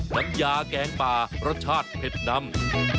น้ำยาแกงป่ารสชาติเผ็ดดำ